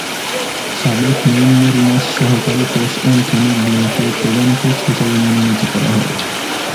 সাবেক Maine Mariners সহকারী coach Anthony বুনকে প্রধান কোচ হিসেবে মনোনীত করা হয়।